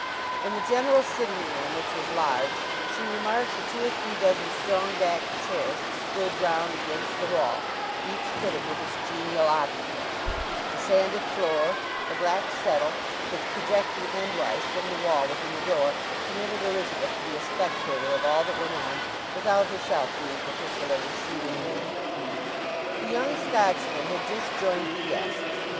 In the general sitting room, which was large, she remarked the two or three dozen strong backed chairs that stood round against the wall, each fitted with its genial occupant; the sanded floor; the black settle which, projecting endwise from the wall within the door, permitted Elizabeth to be a spectator of all that went on without herself being particularly seen. The young Scotchman had just joined the guests.